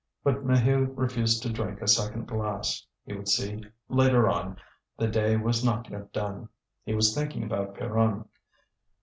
But Maheu refused to drink a second glass; he would see later on, the day was not yet done. He was thinking about Pierron.